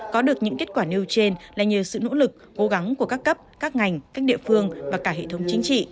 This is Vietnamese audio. có được những kết quả nêu trên là nhờ sự nỗ lực cố gắng của các cấp các ngành các địa phương và cả hệ thống chính trị